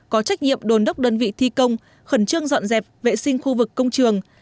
có trách nhiệm đồn đốc đơn vị thi công khẩn trương dọn dẹp vệ sinh khu vực công trường